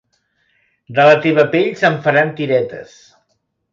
De la teva pell se'n faran tiretes.